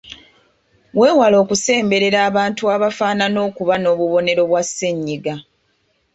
Weewale okusemberera abantu abafaanana okuba n’obubonero bwa ssennyiga.